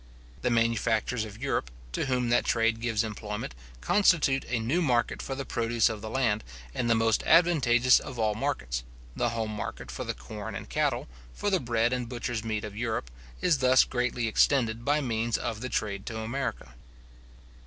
The manufacturers of Europe, to whom that trade gives employment, constitute a new market for the produce of the land, and the most advantageous of all markets; the home market for the corn and cattle, for the bread and butcher's meat of Europe, is thus greatly extended by means of the trade to America.